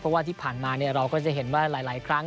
เพราะว่าที่ผ่านมาเราก็จะเห็นว่าหลายครั้ง